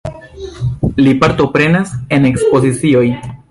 Li partoprenas en ekspozicioj.